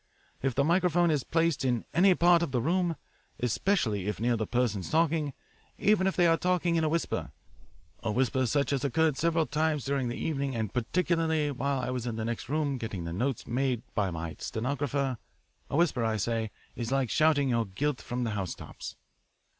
If the microphone is placed in any part of the room, especially if near the persons talking even if they are talking in a whisper a whisper such as occurred several times during the evening and particularly while I was in the next room getting the notes made by my stenographer a whisper, I say, is like shouting your guilt from the housetops.